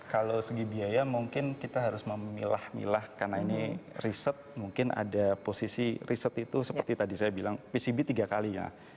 kalau segi biaya mungkin kita harus memilah milah karena ini riset mungkin ada posisi riset itu seperti tadi saya bilang pcb tiga kali ya